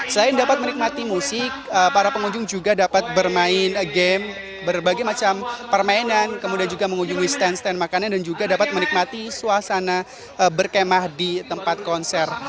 selain dapat menikmati musik para pengunjung juga dapat bermain game berbagai macam permainan kemudian juga mengunjungi stand stand makanan dan juga dapat menikmati suasana berkemah di tempat konser